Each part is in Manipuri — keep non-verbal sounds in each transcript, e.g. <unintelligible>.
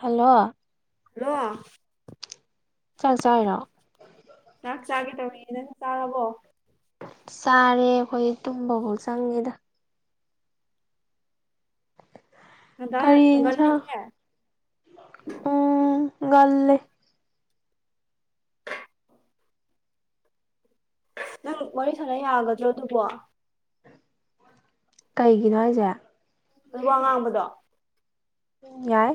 ꯍꯜꯂꯣ ꯂꯣ ꯆꯥꯛ ꯆꯥꯏꯔꯣ ꯆꯥꯛ ꯆꯥꯒꯦ ꯇꯧꯔꯤ ꯅꯪ ꯆꯥꯔꯕꯣ ꯆꯥꯔꯦ ꯑꯩꯈꯣꯏ ꯇꯨꯝꯕꯕꯧ ꯆꯪꯉꯦꯗ ꯉꯟꯇꯥ ꯀꯔꯤ ꯏꯟꯖꯥꯡ ꯉꯜꯂꯤꯅꯦ ꯎꯝ ꯉꯜꯂꯦ ꯅꯪ ꯋꯥꯔꯤ ꯁꯥꯟꯅ ꯌꯥꯒꯗ꯭ꯔꯣ ꯑꯗꯨꯕꯨ ꯀꯩꯒꯤꯅꯣ ꯍꯥꯏꯖꯦ ꯅꯪ ꯋꯥ ꯉꯥꯡꯕꯗꯣ ꯎꯝ ꯌꯥꯏ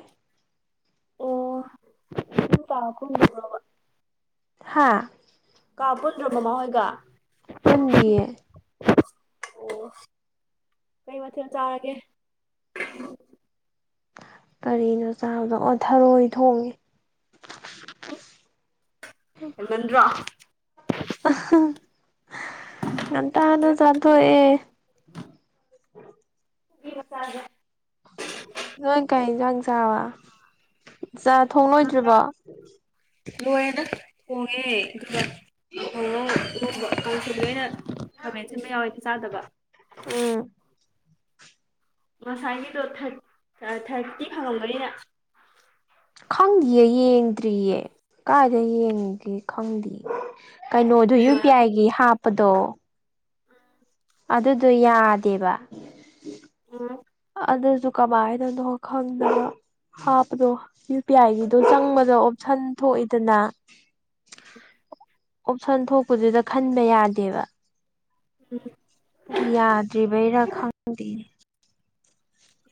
ꯑꯣ <unintelligible> ꯍꯥꯥ ꯀꯥ ꯄꯨꯟꯗ꯭ꯔꯣ ꯃꯃꯥꯍꯣꯏꯒ ꯄꯨꯟꯗꯤꯌꯦ ꯑꯣ ꯀꯩ ꯃꯊꯦꯜ ꯆꯥꯔꯒꯦ ꯀꯔꯤꯅꯣ ꯆꯥꯕꯗꯣ ꯑꯣ ꯊꯔꯣꯏ ꯊꯣꯡꯉꯦ ꯍꯦꯟꯃꯟꯗ꯭ꯔꯣ ꯉꯥꯟꯇꯥꯅ ꯆꯥꯊꯣꯛꯑꯦ <unintelligible> ꯅꯣꯏ ꯀꯩ ꯏꯟꯖꯥꯡ ꯆꯥꯔꯕ ꯆꯥ ꯊꯣꯡ ꯂꯣꯏꯗ꯭ꯔꯤꯕꯣ ꯂꯣꯏꯔꯦꯗꯥ ꯊꯣꯡꯉꯦ ꯑꯗꯨꯒ ꯀꯥꯡꯍꯧ ꯉꯧ <unintelligible> ꯀꯥꯡꯁꯣꯏꯗꯣ ꯑꯩꯅ ꯈꯥꯃꯦꯟ ꯁꯤꯟꯕ ꯌꯥꯎꯋꯦꯅ ꯆꯥꯗꯕ ꯎꯝ ꯉꯁꯥꯏꯒꯤꯗꯣ ꯊꯥꯔꯇꯤ ꯐꯪꯉꯝꯒꯅꯤꯅꯪ ꯈꯪꯗꯤꯌꯦ ꯌꯦꯡꯗ꯭ꯔꯤꯌꯦ ꯀꯥꯏꯗ ꯌꯦꯡꯒꯦ ꯈꯪꯗꯤꯌꯦ ꯀꯩꯅꯣꯗꯨ ꯌꯨ ꯀꯩꯅꯣ ꯄꯤ ꯑꯥꯏꯒꯤ ꯍꯥꯞꯄꯗꯣ ꯑꯗꯨꯗꯣ ꯌꯥꯗꯦꯕ ꯎꯝ ꯑꯗꯨꯁꯨ ꯀꯃꯥꯏꯅꯅꯣ ꯈꯪꯗꯅ ꯍꯥꯞꯄꯗꯣ ꯌꯨ ꯄꯤ ꯑꯥꯏꯒꯤꯗꯣ ꯆꯪꯕꯗ‌ꯣ ꯑꯣꯞꯁꯟ ꯊꯣꯛꯏꯗꯅ ꯑꯣꯞꯁꯟ ꯊꯣꯛꯄꯗꯨꯗ ꯈꯟꯕ ꯌꯥꯗꯦꯕ ꯎꯝ ꯑꯗꯨ ꯌꯥꯗ꯭ꯔꯤꯕꯩꯔꯥ ꯈꯪꯗꯦꯅꯦ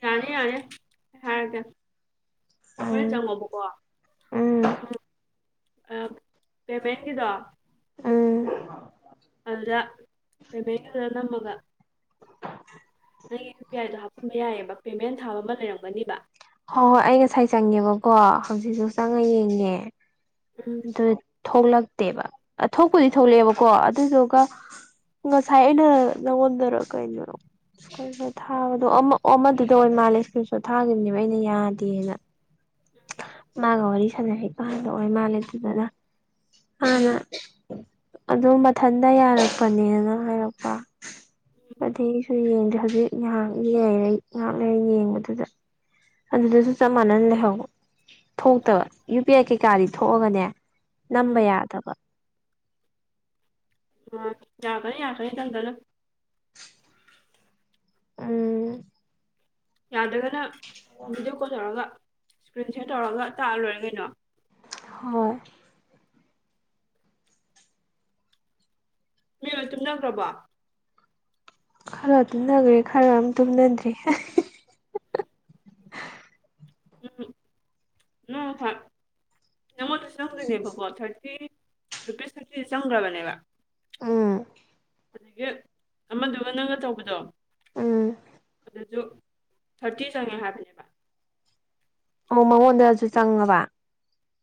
ꯌꯥꯅꯤ ꯌꯥꯅꯤ ꯍꯥꯏꯔꯛ ꯀ‌ꯦ ꯍꯣꯔꯦꯟ ꯎꯝ ꯆꯪꯉꯣꯕꯀꯣ ꯎꯝ ꯄꯦꯃꯦꯟ ꯒꯤꯗꯣ ꯑꯝ ꯑꯗꯨꯗ ꯄꯦꯃꯦꯟ ꯑꯗꯨꯗ ꯅꯝꯃꯒ <inaudible> ꯅꯪꯒꯤ ꯌꯨ ꯄꯤ ꯑꯥꯏꯗꯣ ꯍꯥꯞꯆꯤꯟꯕ ꯌꯥꯏꯑꯕ ꯄꯦꯃꯦꯟ ꯊꯥꯕ ꯑꯃ ꯂꯩꯔꯝꯒꯅꯤꯕ ꯍꯣꯏ ꯍꯣꯏ ꯑꯩ ꯉꯁꯥꯏ ꯆꯪꯉꯦꯕꯀꯣ ꯍꯧꯖꯤꯛꯁꯨ ꯆꯪꯉ ꯌꯦꯡꯉꯦ ꯎꯝ ꯑꯗꯨ ꯊꯣꯛꯂꯛꯇꯦꯕ ꯊꯣꯛꯄꯨꯗꯤ ꯊꯣꯛꯂꯛꯑꯦꯕꯀꯣ ꯑꯗꯨꯗꯨꯒ ꯉꯁꯥꯏ ꯑꯩꯅ ꯅꯪꯉ‌ꯣꯟꯗꯔ ꯀꯩꯔꯣ ꯊꯥꯕꯗꯣ ꯑꯃꯗꯨꯗ ꯑꯣꯏ ꯃꯥꯜꯂꯦ ꯁ꯭ꯀꯔꯟꯁ‌ꯣꯠ ꯊꯥꯒꯤꯈꯤꯕꯅꯦꯕ ꯑꯩꯅ ꯌꯥꯗꯦꯅ ꯃꯥꯒ ꯋꯥꯔꯤ ꯁꯥꯟꯅꯔꯤ ꯀꯥꯟꯗ ꯑ‌ꯣꯏꯔ ꯃꯥꯜꯂꯦ ꯑꯗꯨꯗꯅꯗꯅ ꯎꯝ ꯃꯥꯅ ꯑꯗꯨ ꯃꯊꯟꯗ ꯌꯥꯔꯛꯄꯅꯦꯅ ꯍꯥꯏꯔꯛꯄ ꯑꯗꯨꯩꯁꯨ ꯌꯦꯡꯗꯦ ꯍꯧꯖꯤꯛ ꯉꯍꯥꯛꯔꯦ ꯉꯥꯛ ꯂꯩꯔ ꯌꯦꯡꯕꯗꯨꯗ ꯑꯗꯨꯗꯁꯨ ꯆꯞ ꯃꯥꯟꯅꯅ ꯂꯩꯍꯧꯕ ꯊꯣꯛꯇꯕ ꯌꯨ ꯄꯤ ꯑꯥꯏ ꯀꯩꯀꯥꯗꯤ ꯊꯣꯛꯑꯒꯅꯦ ꯅꯝꯕ ꯎꯝ ꯌꯥꯗꯕ ꯑ ꯌꯥꯔꯛꯀꯅꯤ ꯌꯥꯔꯛꯀꯅꯤ ꯇꯞꯅ ꯇꯞꯅ ꯎꯝ ꯌꯥꯗꯔꯒꯅ ꯚꯤꯗꯤꯑꯣ ꯀꯣꯜ ꯇꯧꯔꯒ ꯏꯁꯀ꯭ꯔꯤꯟ ꯁꯦꯔ ꯇꯧꯔꯒ ꯇꯥꯛꯑꯒ ꯂꯣꯏꯔ‌ꯦ ꯀꯩꯅꯣ ꯍꯣꯏ ꯃꯤ ꯂ‌ꯣꯏ ꯇꯨꯝꯅꯈ꯭ꯔꯕꯣ ꯈꯔ ꯇꯨꯝꯅꯈ꯭ꯔꯦ ꯈꯔ ꯑꯃ ꯇꯨꯝꯅꯗ꯭ꯔꯤ ꯎꯝ ꯎ ꯍꯣ ꯅꯪꯉꯣꯟꯗ ꯆꯪꯗꯣꯏꯅꯦꯕꯀꯣ ꯊꯥꯔꯇꯤ ꯔꯨꯄꯤꯁ ꯊꯥꯔꯇꯤꯁ‌ꯦ ꯆꯪꯈ꯭ꯔꯕꯅꯦꯕ ꯎꯝ ꯑꯗꯒꯤ ꯑꯃꯗꯨꯒ ꯅꯪꯒ ꯇꯧꯕꯗꯣ ꯎꯝ ꯑꯗꯨ ꯊꯥꯔꯇꯤ ꯆꯪꯉꯦ ꯍꯥꯏꯕꯅꯦꯕ ꯑꯣ ꯃꯉꯣꯟꯗꯁꯨ ꯆꯪꯉꯕ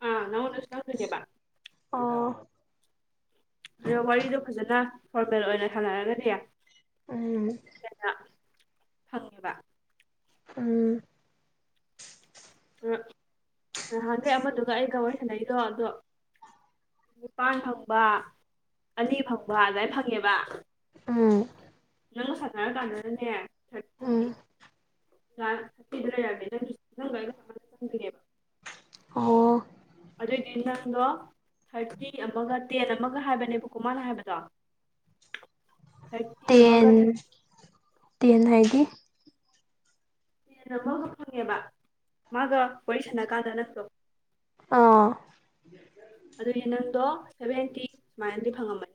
ꯑꯥ ꯅꯪꯉ‌ꯣꯟꯗꯁꯨ ꯆꯪꯗ‌ꯣꯏ ꯅ‌ꯦꯕ ꯑꯣ ꯑꯗꯣ ꯋꯥꯔꯤꯗꯣ ꯐꯖꯅ ꯐꯣꯔꯃꯦꯜ ꯑꯣꯏꯅ ꯁꯥꯟꯅꯔꯒꯗꯤ ꯑꯝ ꯍ‌ꯦꯟꯅ ꯐꯪꯉꯦꯕ ꯎꯝ ꯅꯍꯥꯟꯒꯩ ꯑꯃꯗꯨꯒ ꯑꯩꯒ ꯋꯥꯔꯤ ꯁꯥꯟꯅꯩꯗꯣ ꯑꯗꯣ ꯅꯤꯄꯥꯥꯟ ꯐꯪꯕ ꯑꯅꯤ ꯐꯪꯕ ꯑꯗꯨꯃꯥꯏꯅ ꯐꯪꯉꯦꯕ ꯎꯝ ꯅꯪꯒ ꯁꯥꯟꯅꯔ ꯀꯥꯟꯗꯅꯅ‌‌ꯦ ꯊꯔꯇꯤ ꯎꯝ <unintelligible> ꯅꯪꯒ ꯑꯩꯒ ꯆꯞ ꯃꯥꯟꯅꯅ ꯆꯪꯗꯣꯏꯅꯦꯕ ꯑꯣ ꯑꯗꯨꯑꯣꯏꯗꯤ ꯅꯪꯗꯣ ꯊꯥꯔꯇꯤ ꯑꯃꯒ ꯇꯦꯟ ꯑꯃꯒ ꯍꯥꯏꯕꯅꯦꯕꯀꯣ ꯃꯥꯅ ꯍꯥꯏꯕꯗꯣ ꯊꯥꯔꯇꯤ ꯇꯦꯟ ꯑꯃꯒ ꯇꯦꯟ ꯍꯥꯏꯗꯤ ꯍꯩꯅ ꯑꯃꯒ ꯐꯪꯉꯦꯕ ꯃꯥꯒ ꯋꯥꯔꯤ ꯁꯥꯟꯅ ꯀꯥꯟꯗ ꯅꯠꯇ꯭ꯔꯣ ꯑꯥ ꯑꯗꯨꯗꯤ ꯅꯪꯗꯣ ꯁꯚꯦꯟꯇꯤ ꯁꯨꯃꯥꯏꯅꯗꯤ ꯐꯪꯉꯝꯃꯅꯤ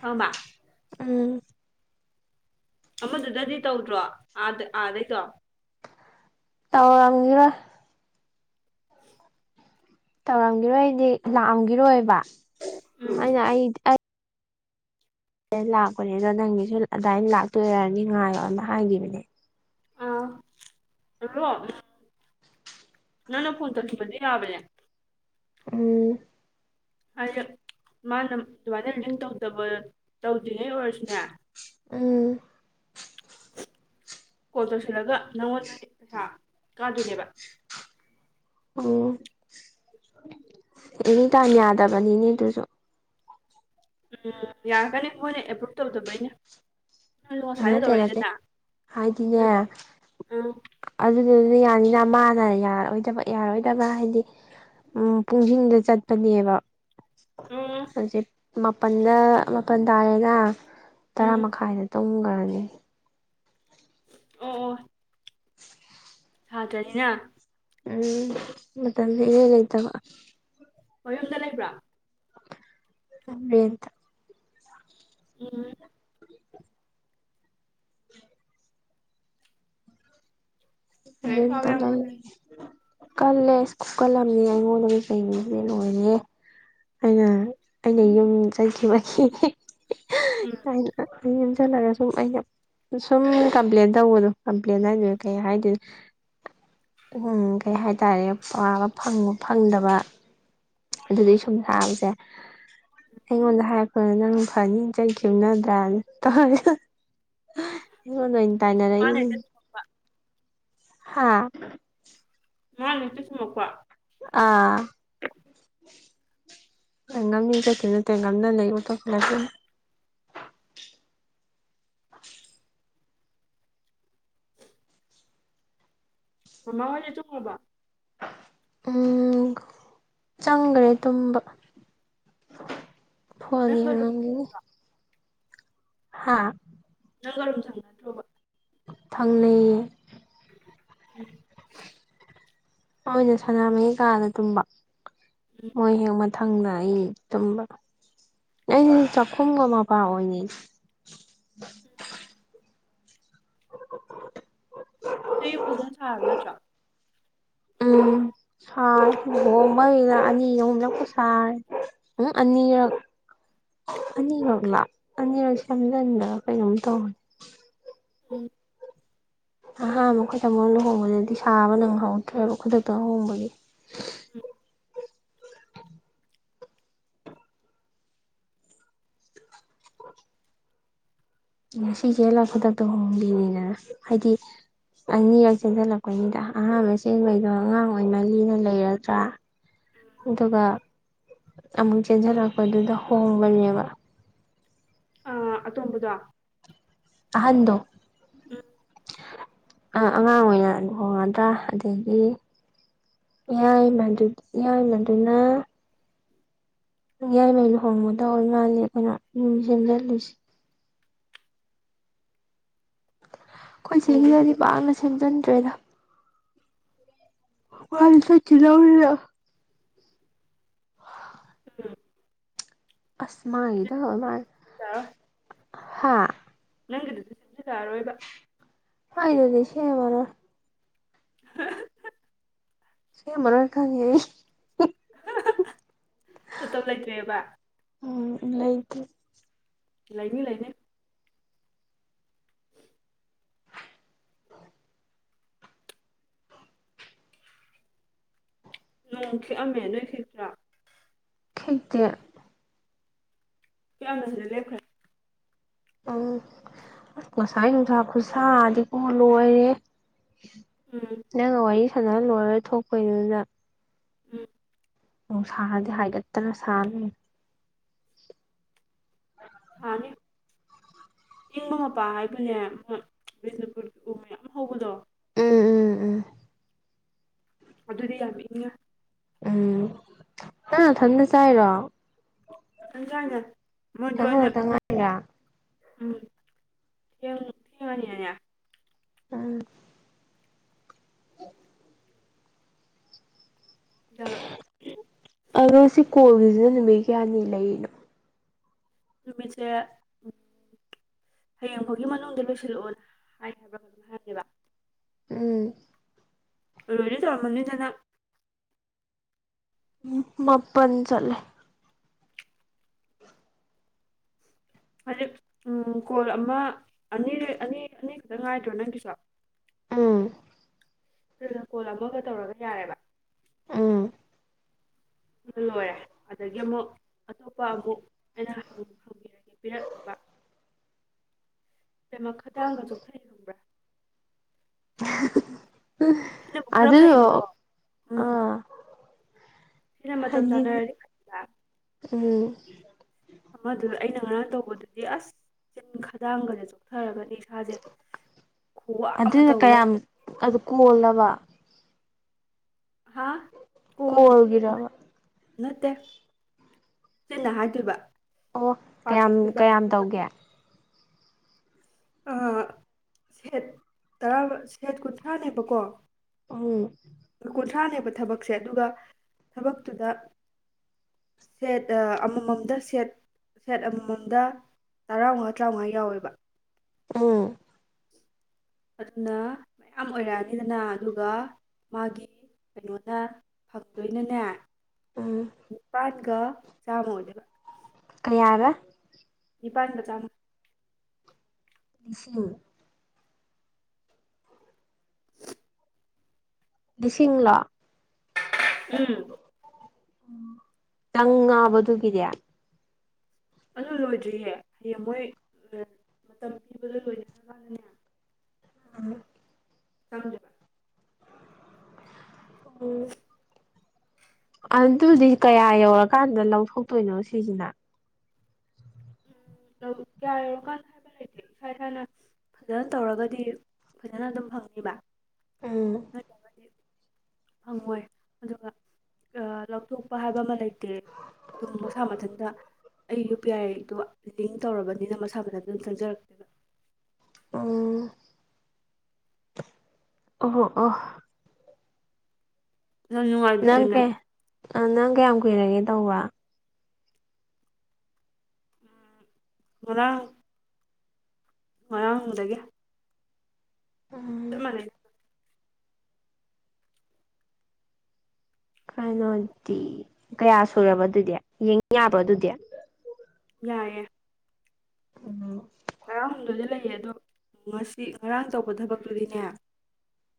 ꯈꯪꯑꯕ ꯎꯝ ꯑꯃꯗꯨꯗꯗꯤ ꯇꯧꯗ꯭ꯔꯣ ꯑꯗ ꯑꯥꯗꯩꯗꯣ ꯇꯥꯎꯔꯝꯒꯔ <unintelligible> ꯇꯧꯔꯝꯈꯤꯔꯣꯏꯗꯤ ꯂꯥꯛꯑꯝꯒꯔꯣꯏꯕ ꯎꯝ ꯑꯩꯅ ꯑꯩ ꯑ ꯂꯥꯛꯄꯅꯦ ꯑꯗꯣ ꯅꯪꯒꯤꯁꯨ ꯑꯗꯨꯃꯥꯏꯅ ꯂꯥꯛꯇꯣꯏꯔꯅꯤ ꯉꯥꯏꯌꯣꯅ ꯍꯥꯏꯈꯤꯕꯅꯦ ꯑꯥ ꯍꯜꯂꯣ ꯅꯪꯅ ꯐꯣꯟ ꯇꯧꯈꯤꯕꯗꯤ ꯌꯥꯕꯅꯦ ꯎꯝ ꯍꯥꯏꯗꯤ ꯃꯥꯅ ꯑꯗꯨꯃꯥꯏꯅ ꯅꯪ ꯇꯧꯗꯕ ꯇꯧꯗ꯭ꯔꯤꯉꯩ ꯑꯣꯏꯔꯁꯨꯅꯦ ꯎꯝ ꯀꯣꯜ ꯇꯧꯁꯤꯜꯂꯒ ꯅꯪꯉꯣꯟꯗ ꯄꯩꯁꯥ ꯀꯥꯗꯣꯏꯅꯦꯕ ꯑꯣꯝ ꯑꯦꯅꯤ ꯇꯥꯏꯝ ꯌꯥꯗꯕꯅꯤꯅꯦ ꯑꯗꯨꯁꯨ ꯎꯝ ꯌꯥꯔꯒꯅꯤ ꯃꯣꯏꯅ ꯑꯦꯄ꯭ꯔꯨꯨꯞ ꯇꯧꯗꯕ ꯑꯩꯅ ꯂꯣ ꯉꯥꯁ꯭ꯥꯏꯋꯥꯏꯗ ꯅꯠꯇꯦ ꯇꯧꯔꯛꯏ ꯅꯠꯇꯦ ꯅꯠꯇ ꯍꯥꯏꯗꯤꯅꯦ ꯀꯩꯔꯤꯕꯣ ꯑꯥ ꯑꯗꯨꯗꯨꯅ ꯌꯥꯅꯤꯅ ꯃꯥꯅ ꯌꯥꯔꯑꯣꯣꯏꯗꯕ ꯌꯥꯔꯔꯣꯏꯗꯕ ꯍꯥꯏꯗꯤ ꯎꯝ ꯄꯨꯡꯁꯤꯡꯗ ꯆꯠꯄꯅꯦꯕ ꯎꯝ ꯍꯧꯖꯤꯛ ꯃꯥꯄꯜꯗ ꯃꯥꯄꯜ ꯇꯥꯔꯦꯅ ꯇꯔꯥ ꯎꯝ ꯃꯈꯥꯏꯗ ꯇꯝꯈ꯭ꯔꯅꯤ ꯑꯣ ꯑꯣ <unintelligible> ꯁꯥꯇ꯭ꯔꯅꯤꯅ ꯎꯝ ꯃꯇꯝꯁꯦ ꯏꯔꯩ ꯂꯩꯇꯕ ꯃꯌꯨꯝꯗ ꯂꯩꯕ꯭ꯔꯥ ꯔꯦꯟꯇ ꯎꯝ ꯂꯥꯏꯔꯤꯛ ꯔꯦꯟꯇꯥ ꯄꯥꯕ ꯌꯥꯝ ꯀꯟꯅ ꯂꯩꯌꯦ ꯀꯜꯂꯦꯀꯜꯂꯝꯃꯤ ꯑꯩꯉꯣꯟꯗꯗꯒꯤ ꯀꯩꯅꯩꯅꯣ ꯂꯣꯏꯔꯦ ꯑꯩꯅ ꯑꯩꯅ ꯌꯨꯝ ꯆꯩꯈꯤꯕꯒꯤ ꯎꯝ ꯆꯂꯒꯁꯨ ꯁꯨꯝ ꯀꯝꯄ꯭ꯂꯦꯟ ꯇꯧꯕꯅꯣ ꯀꯝꯄ꯭ꯂꯦꯟ ꯍꯥꯏꯗꯣꯏꯅ ꯀꯩ ꯍꯥꯏꯗꯣꯏꯅ ꯎꯝ ꯀꯩ ꯍꯥꯏꯇꯥꯔꯦ ꯄꯒ ꯐꯪꯗꯕ ꯑꯗꯨꯗꯒꯤ ꯁꯨꯝ ꯁꯥꯕꯁꯦ ꯑꯩꯉꯣꯟꯗ ꯍꯥꯏꯔꯛ ꯍꯣꯏ ꯅꯪ ꯐꯅꯤ ꯏ ꯆꯩ ꯈꯨꯝꯅꯗ꯭ꯔꯥ ꯇꯧ ꯑꯩꯉꯣꯟꯗꯩꯅ ꯃꯥꯅ ꯇꯥꯏꯅꯔꯛꯏꯅꯦ ꯍꯦꯛꯇ ꯆꯨꯝꯃꯛꯄ ꯍꯥꯥ ꯃꯥꯅ ꯍꯦꯛꯇꯆꯨꯝꯃꯄ ꯑꯥ ꯉꯝꯅꯤꯡ ꯆꯠꯇ ꯅꯠꯇꯦ ꯉꯝꯅ ꯂꯩꯕꯇꯣꯞꯄꯂꯁꯨ ꯃꯃꯥ ꯍꯣꯏꯗꯤ ꯇꯨꯝꯒꯔꯕꯣ ꯎꯝ ꯆꯪꯈ꯭ꯔꯦ ꯇꯨꯝꯕ ꯐꯣꯟ ꯅꯪꯒ ꯌꯦꯡꯉꯝꯒꯤꯅꯤ ꯔꯨꯕꯤꯅꯥꯒ ꯍꯥꯥ ꯅꯪꯒ ꯔꯨꯝ ꯊꯪꯅꯗ꯭ꯔꯣꯕ꯫ ꯊꯪꯅꯩ ꯎꯝ ꯑꯣꯏꯅꯦ ꯁꯅꯥꯃꯍꯤ ꯀꯥꯗ ꯇꯨꯝꯕ ꯎꯝ <unintelligible> ꯊꯪꯅ ꯑꯩ ꯇꯨꯝꯕ ꯑꯩ ꯆꯥꯛꯈꯨꯝꯒ ꯃꯄꯥ ꯑꯣꯏꯌꯦ <unintelligible> ꯅꯣꯏ ꯌꯨꯝ ꯐꯖꯅ ꯁꯥꯔꯕ ꯅꯠꯇ꯭ꯔꯣ ꯎꯝ ꯁꯥꯔꯦ ꯂꯨꯍꯣꯡꯕꯩꯔꯥ ꯑꯅꯤ ꯑꯍꯨꯝꯂꯛꯄꯨ ꯁꯥꯔꯦ ꯎꯪ ꯑꯅꯤꯔꯛ ꯑꯅꯤꯔꯛ ꯂꯥ ꯑꯅꯤꯔꯛ ꯁꯦꯝꯖꯟꯕꯔꯥ ꯀꯩꯅꯣꯝ ꯇꯧꯕꯅꯤ ꯎꯝ ꯑꯍꯥꯝꯕ ꯑꯈꯣꯏ ꯂꯍꯣꯡꯕꯗꯗꯤ ꯁꯥꯕ ꯅꯪꯍꯧꯗ꯭ꯔꯦꯕ ꯈꯨꯗꯛꯇ ꯍꯣꯡꯕꯒꯤ <unintelligible> ꯉꯁꯤ ꯆꯦꯜꯂ ꯈꯨꯗꯥꯛꯇ ꯍꯣꯡꯕꯤꯅꯤꯅ ꯍꯥꯏꯗꯤ ꯑꯅꯤꯔꯛ ꯆꯦꯟꯖꯜꯂꯛꯄꯩꯅꯤꯗ ꯑꯍꯥꯟꯕ ꯆꯦꯟꯕꯩꯗꯣ ꯑꯉꯥꯡ ꯑꯣꯏꯃꯜꯂꯤꯅ ꯂꯩꯔꯗ꯭ꯔꯥ ꯑꯗꯨꯒ ꯑꯃꯨꯛ ꯆꯦꯟꯖꯜꯂꯛꯄꯗꯨꯗ ꯍꯣꯡꯕꯅꯦꯕ ꯑꯥ ꯑꯇꯣꯝꯕꯗꯣ ꯑꯍꯟꯗꯣ ꯎꯝ ꯑꯥ ꯑꯉꯥꯡ ꯑꯣꯏꯅ ꯂꯨꯍꯣꯡꯒꯗ꯭ꯔꯥ ꯑꯗꯒꯤ ꯌꯥꯏꯃꯗꯨ ꯌꯥꯏꯃꯗꯨꯅ ꯌꯥꯏꯃ ꯂꯨꯍꯣꯡꯕꯗꯣ ꯂꯦꯞꯄꯦꯅ ꯌꯨꯝ ꯁꯦꯝꯖꯜꯂꯤꯁꯤ ꯈꯣꯏ ꯎꯝ ꯎꯝ ꯆꯦꯒꯤꯗꯗꯤ ꯄꯥꯛꯅ ꯁꯦꯝꯖꯟꯗ꯭ꯔꯦꯗ <unintelligible> ꯑꯝ ꯑꯁ ꯃꯥꯒꯤꯗ ꯑꯣꯏꯃꯜꯂꯦ ꯍꯥꯥ ꯅꯪꯒꯤꯗꯗꯤ ꯁꯦꯝꯖꯤꯜꯂꯛ ꯑꯔꯣꯏꯕ ꯍꯥꯏꯗꯗꯤ ꯁꯦꯝꯃꯔꯣꯏ <unintelligible> ꯁꯦꯝꯃꯔꯣꯏ ꯈꯪꯉꯦ <unintelligible> ꯃꯇꯝ ꯂꯩꯇ꯭ꯔꯦꯕ ꯎꯝ ꯂꯩꯥꯇ꯭ꯔꯦ ꯂꯩꯅꯤ ꯂꯩꯅꯤ <unintelligible> ꯅꯣꯡ ꯈꯤꯛꯑꯝꯃꯦ ꯅꯣꯏ ꯈꯤꯛꯇ꯭ꯔꯥ ꯈꯤꯛꯇꯦ ꯈꯤꯛ ꯑꯝꯃꯦ ꯍꯧꯖꯤꯛ ꯂꯦꯞꯈ꯭ꯔꯦ ꯑꯧ ꯉꯁꯥꯏ ꯅꯨꯡꯁꯥ ꯈꯨꯠꯁꯥꯗꯤꯀꯣ ꯂꯣꯏꯔꯦ ꯎꯝ ꯅꯪꯒ ꯋꯥꯔꯤ ꯁꯥꯟꯅꯔ ꯂꯣꯏꯔ ꯊꯣꯛꯄꯩꯗꯨꯗ ꯎꯝ ꯅꯨꯡꯁꯥꯗꯤ ꯍꯥꯏꯒꯠꯇꯅ ꯁꯥꯅꯤ ꯁꯥꯅꯤ <unintelligible> ꯏꯪꯕ ꯃꯄꯥ ꯍꯥꯏꯒꯅꯦ ꯕꯤꯁꯅꯨꯄꯨꯔꯒꯤ ꯎ ꯃꯌꯥꯝ ꯍꯧꯕꯗꯣ ꯎꯝ ꯎꯝ ꯎꯝ ꯑꯗꯨꯗꯤ ꯌꯥꯝ ꯏꯪꯉꯦ ꯎꯝ ꯅꯪ ꯅꯊꯟꯗ ꯆꯥꯏꯔꯣ ꯊꯟꯆꯥꯏꯅꯦ ꯃꯣꯏꯗꯣ ꯄꯩꯁꯥ ꯑꯩꯅ ꯈꯛꯇ ꯉꯥꯏꯔ ꯎꯝ ꯊꯦꯡꯁꯨ ꯊꯦꯡꯉꯅꯤꯅꯦ ꯎꯝ ꯗꯥ ꯑꯗꯣ ꯁꯤ ꯀꯣꯜꯒꯤꯁꯤꯅ ꯅꯨꯃꯤꯠ ꯀꯌꯥꯅꯤ ꯂꯩꯔꯤꯅꯣ ꯅꯨꯃꯤꯠꯁꯦ ꯍꯌꯦꯡꯐꯥꯎꯒꯤ ꯃꯅꯨꯡꯗ ꯂꯣꯏꯁꯤꯜꯂꯛꯑꯣꯅ ꯍꯥꯏ ꯍꯥꯏꯕ꯭ꯔꯥ ꯀꯩꯅꯣꯝ ꯍꯥꯏꯕꯅꯦꯕ ꯎꯝ ꯂꯣꯏꯅ ꯇꯧꯔꯝꯃꯅꯤꯗ ꯅꯪ ꯃꯥꯄꯟ ꯆꯠꯂꯦ ꯍꯧꯖꯤꯛ ꯎꯝ ꯀꯣꯜ ꯑꯃ ꯑꯅꯤ ꯑꯅꯤ ꯑꯅꯤ ꯈꯛꯇꯪ ꯉꯥꯏꯗ꯭ꯔꯣ ꯅꯪꯒꯤꯁꯨ ꯎꯝ ꯑꯗꯨꯗꯨꯅ ꯀꯣꯜ ꯑꯃꯒ ꯇꯧꯔꯒ ꯌꯥꯔꯦꯕ ꯎꯝ ꯂꯣꯏꯔꯦ ꯑꯗꯒꯤ ꯑꯃꯨꯛ ꯑꯇꯣꯞꯄ ꯑꯃꯨꯛ ꯑꯩꯅ ꯍꯪꯕꯤꯔꯒꯦ ꯄꯤꯔꯛꯅꯕ ꯏꯕꯦꯝꯃ ꯈꯗꯥꯡꯒ ꯆꯣꯛꯊꯩ ꯈꯪꯕ꯭ꯔꯥ ꯁꯤꯅꯕꯨ ꯈꯔ ꯑꯗꯨꯗꯣ ꯐꯩꯌꯦꯕꯀꯣ ꯑꯥ ꯑꯩꯅ ꯃꯇꯝ ꯍꯥꯏꯗꯤꯗꯤ ꯆꯥꯅꯔꯅꯤ ꯎꯝ ꯑꯃꯗꯨ ꯑꯩꯅ ꯉꯔꯥꯡ ꯇꯧꯕꯗꯨꯗꯤ ꯑꯁ ꯆꯤꯟ ꯈꯗꯥꯡꯒꯁꯦ ꯆꯣꯛꯊꯔꯒꯅꯤ ꯏꯁꯥꯁꯦ ꯈꯨꯋꯥ ꯑꯃ ꯑꯗꯨꯏꯅ ꯇꯧꯕꯗ ꯀꯌꯥꯝ ꯑꯗꯨ ꯀꯣꯜꯂꯕ ꯍꯥꯥ ꯀꯣꯜ ꯀꯣꯜꯒꯤꯔꯕ ꯅꯠꯇꯦ ꯆꯤꯟꯅ ꯍꯥꯏꯗꯣꯏꯕ ꯑꯣ ꯀꯌꯥꯝ ꯄꯥꯊꯣꯛꯇꯣꯏꯕ ꯀꯌꯥꯝ ꯇꯧꯒꯦ ꯑꯥ ꯁꯦꯠ ꯇꯔꯥ ꯁꯦꯠ ꯀꯨꯟꯊ꯭ꯔꯥꯅꯦꯕꯀꯣ ꯎꯝ ꯀꯨꯟꯊ꯭ꯔꯥꯅꯦꯕ ꯊꯕꯛꯁꯦ ꯑꯗꯨꯒ ꯊꯕꯛꯇꯨꯗ ꯁꯦꯠ ꯑꯃꯃꯝꯗ ꯁꯦꯠ ꯁꯦꯠ ꯑꯃꯃꯝꯗ ꯇꯔꯥꯃꯉꯥ ꯇꯔꯥꯃꯉꯥ ꯌꯥꯎꯋꯦꯕ ꯎꯝ ꯑꯗꯨꯅ ꯃꯌꯥꯝ ꯑꯣꯏꯔꯛꯑꯅꯤꯗꯅ ꯑꯗꯨꯒ ꯃꯥꯒꯤ ꯀꯩꯅꯣꯅ ꯐꯪꯗꯣꯏꯅꯅꯦ ꯎꯝ ꯅꯤꯄꯥꯥꯟꯒ ꯆꯥꯝꯃ ꯑꯣꯏꯗꯣꯏꯕ ꯀꯌꯥꯔ ꯅꯤꯄꯥꯟ ꯒ ꯆꯥꯃ ꯂꯤꯁꯤꯡ ꯂꯤꯁꯤꯡꯂꯥ ꯎꯝ ꯇꯪ ꯉꯥꯕ ꯑꯗꯨꯒꯤꯗꯤ ꯑꯗꯨ ꯂꯣꯏꯗ꯭ꯔꯤꯍꯦ ꯍꯌꯦꯡ ꯃꯣꯏ ꯃꯇꯝ ꯄꯤꯕꯗ ꯂꯣꯏꯅꯔ ꯀꯥꯟꯗꯅꯦ ꯎꯝ <unintelligible> ꯎꯝ ꯑꯗꯨꯗꯤ ꯀꯌꯥ ꯌꯧꯔꯀꯥꯟꯗ ꯂꯧꯊꯣꯛꯇꯣꯏꯅꯣ ꯁꯤꯖꯤꯅ ꯎꯝ ꯀꯌꯥ ꯌꯧꯔꯀꯥꯟꯗ ꯍꯥꯏꯕ ꯂꯩꯇꯦ ꯏꯁ ꯏꯁꯥꯅ ꯐꯖꯅ ꯇꯧꯔꯒꯗꯤ ꯐꯖꯅ ꯑꯗꯨꯝ ꯐꯪꯅꯤꯕ ꯎꯝ ꯅꯠꯇ꯭ꯔꯒꯗꯤ ꯐꯪꯉꯣꯏ ꯑꯗꯨꯒ ꯂꯧꯊꯣꯛꯄ ꯍꯥꯏꯕ ꯑꯃ ꯂꯩꯇꯦ ꯑꯗꯨꯝ ꯃꯁꯥ ꯃꯊꯟꯇ ꯑꯩ ꯌꯨ ꯄꯤ ꯑꯥꯏ ꯑꯗꯣ ꯂꯤꯡ ꯇꯧꯔꯕꯅꯤꯅ ꯃꯁꯥ ꯃꯊꯟꯇ ꯑꯗꯨꯝ ꯆꯪꯖꯔꯛꯇꯣꯏꯅꯤ ꯎꯝ ꯑꯣ ꯑꯣ ꯌꯥꯝ ꯅꯨꯉꯥꯏ ꯅꯪ ꯀꯩ ꯅꯪ ꯀꯌꯥꯝ ꯀꯨꯏꯔꯒꯦ ꯇꯧꯕ ꯉꯥꯔꯥꯡ ꯉꯥꯔꯥꯡ ꯗꯥꯒꯤ ꯎꯝ ꯆꯞꯃꯥꯟꯅꯦ ꯀꯩꯅꯣꯗꯤ ꯀꯌꯥ ꯁꯨꯔꯕ ꯑꯗꯨꯗꯤ ꯌꯦꯡ ꯌꯥꯕ꯭ꯔꯣ ꯑꯗꯨꯗꯤ ꯌꯥꯏꯌꯦ ꯎ ꯇꯔꯥꯍꯨꯝꯗꯣꯏꯗꯤ ꯂꯩꯌꯦ ꯑꯗꯣ ꯉꯁꯤ ꯉꯔꯥꯡ ꯇꯧꯕ ꯊꯕꯛꯇꯨꯗꯤꯅꯦ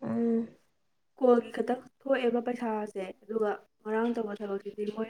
ꯑꯥ ꯀꯣꯜꯒꯤ ꯈꯛꯇꯪ ꯊꯣꯛꯑꯦꯕ ꯄꯩꯁꯥꯁꯦ ꯑꯗꯨꯒ ꯉꯥꯡ ꯇꯧꯕ ꯊꯕꯛꯁꯤꯗꯤ ꯃꯣꯏ